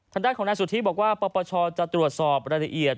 ทางด้านของนายสุธิบอกว่าปปชจะตรวจสอบรายละเอียด